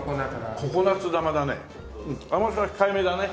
甘さ控えめだね。